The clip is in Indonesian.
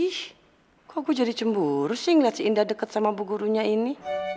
ih kok gue jadi cemburu sih ngeliat si indah deket sama bu gurunya ini